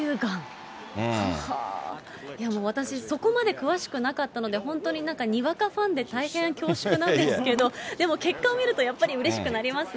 いやもう、私、そこまで詳しくなかったので、本当になんかにわかファンで大変恐縮なんですけど、でも結果を見ると、やっぱり、うれしくなりますね。